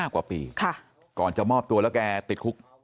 กว่าปีก่อนจะมอบตัวแล้วแกติดคุก